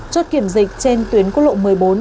chốt kiểm dịch trên tuyến quốc lộ một mươi bốn